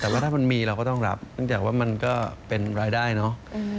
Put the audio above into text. แต่ว่าถ้ามันมีเราก็ต้องรับเนื่องจากว่ามันก็เป็นรายได้เนาะ